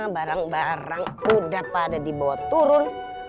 barang barang udah pada dibawa turun